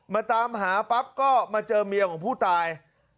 ตามหาปั๊บก็มาเจอเมียของผู้ตาย